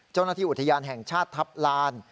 เจ้าหน้าที่อุทยานแห่งชาติทัพลาน